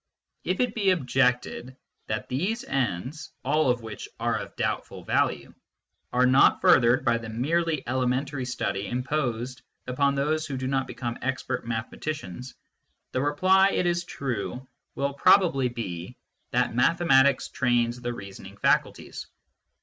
If it be objected that these ends all of which are of doubtful value are not furthered by the merely elementary study imposed upon those who do not become expert mathematicians, the reply, it is true, will probably be that mathematics trains the reasoning faculties.